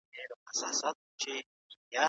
عزراییله که راځې زړه به مي ښه سي